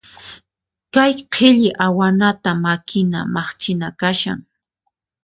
Kay qhilli awana makina maqchina kashan.